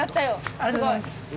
ありがとうございます。